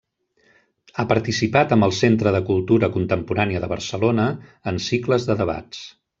Ha participat amb el Centre de Cultura Contemporània de Barcelona en cicles de debats.